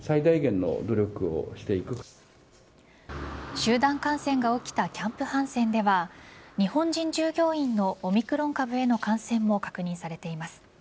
集団感染が起きたキャンプ・ハンセンでは日本人従業員のオミクロン株への感染も確認されています。